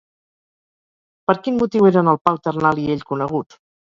Per quin motiu eren el Pau Ternal i ell coneguts?